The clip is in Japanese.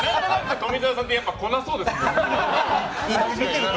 富澤さんって来なそうですもんね。